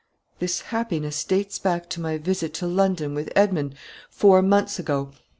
"This happiness dates back to my visit to London, with Edmond, four months ago.